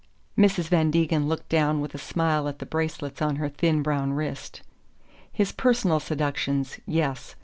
Mrs. Van Degen looked down with a smile at the bracelets on her thin brown wrist. "His personal seductions yes.